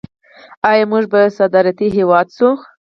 آیا موږ به صادراتي هیواد شو؟